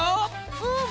うん！